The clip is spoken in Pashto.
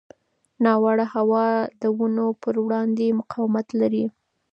ناوړه هوا د ونو پر وړاندې مقاومت لري.